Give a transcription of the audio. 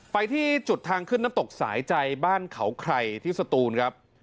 ไปที่จุดทางขึ้นน้ำตกสายใจบ้านเขาใครที่สตูนครับ